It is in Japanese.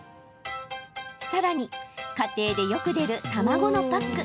さらに家庭でよく出る卵のパック。